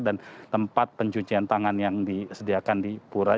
dan tempat pencucian tangan yang disediakan di pura